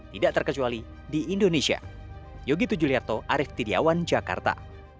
tidak terkecuali di indonesia